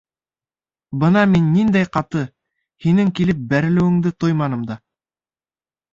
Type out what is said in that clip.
Бына мин ниндәй ҡаты, һинең килеп бәрелеүеңде тойманым да.